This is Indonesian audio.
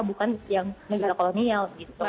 bukan yang negara kolonial